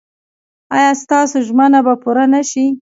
ایا ستاسو ژمنه به پوره نه شي؟